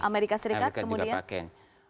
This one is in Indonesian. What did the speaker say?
amerika serikat kemudian